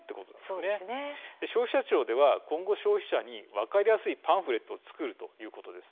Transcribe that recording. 消費者庁では今後消費者に向けて分かりやすいパンフレットを作るということです。